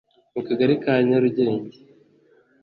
mu Kagari ka Nyarugenge